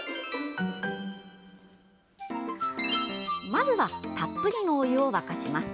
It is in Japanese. まずはたっぷりのお湯を沸かします。